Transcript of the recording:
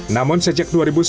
namun sejak dua ribu sepuluh